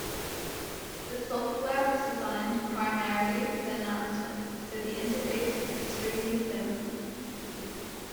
The software was designed primarily for announcements, so the interface was extremely simple.